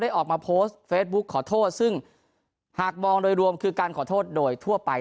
ออกมาโพสต์เฟซบุ๊คขอโทษซึ่งหากมองโดยรวมคือการขอโทษโดยทั่วไป